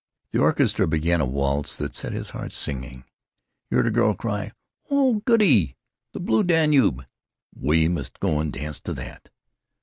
The orchestra began a waltz that set his heart singing. He heard a girl cry: "Oh, goody! the 'Blue Danube'! We must go in and dance that."